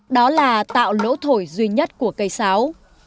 đó là tạo lỗ thổi duy nhất của cây sáo